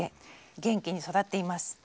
元気に育っています。